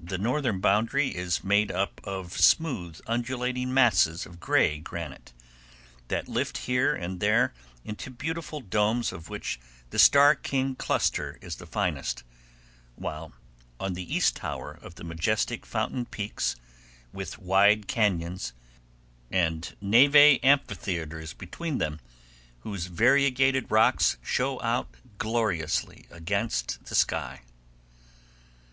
The northern boundary is made up of smooth undulating masses of gray granite, that lift here and there into beautiful domes of which the Starr King cluster is the finest, while on the east tower of the majestic fountain peaks with wide cañons and neve amphitheaters between them, whose variegated rocks show out gloriously against the sky.